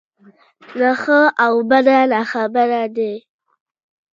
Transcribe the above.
له ښه او بده ناخبره دی.